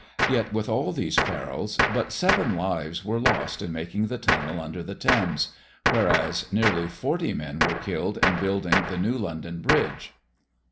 Yet, with all these perils, but seven lives were lost in making the tunnel under the Thames; whereas, nearly forty men were killed in building the new London Bridge.